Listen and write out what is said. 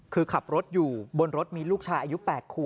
คือกลับรถอยู่บริลุกชายอายุ๘หก